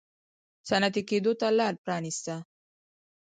صنعتي کېدو ته لار پرانېسته.